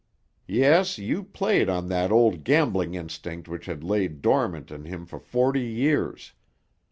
"Yes, you played on the old gambling instinct which had laid dormant in him for forty years.